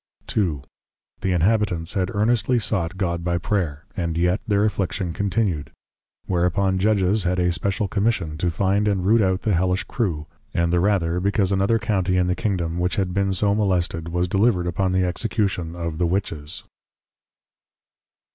II. The Inhabitants had earnestly sought God by \Prayer\; and \Yet\ their Affliction \Continued\. Whereupon \Judges\ had a Special \Commission\ to find and root out the Hellish Crew; and the rather, because another County in the Kingdom, which had been so molested, was delivered upon the Execution of the Witches.